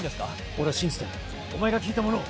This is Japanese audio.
俺は信じてるお前が聞いたものを。